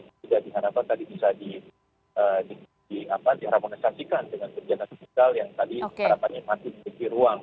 tidak diharapkan tadi bisa diharmonisasikan dengan kebijakan fiskal yang tadi harapannya masih di ruang